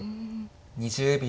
２０秒。